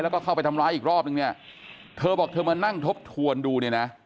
แล้วก็เข้าไปทำร้ายอีกรอบนึงเนี่ยเธอบอกเธอมานั่งทบทวนดูเนี่ยนะ